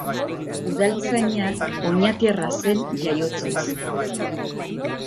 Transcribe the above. Udaltzaina oñatiarra zen jaiotzez.